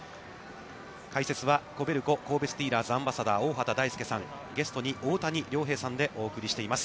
解説は、コベルコ神戸スティーラーズアンバサダー、大畑大介さん、ゲストに大谷亮平さんでお送りしています。